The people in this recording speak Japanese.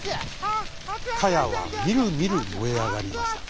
かやはみるみるもえあがりました。